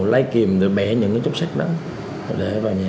lấy kìm rồi bẻ những cái chốc xách đó để vào nhà